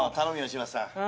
柴田さん。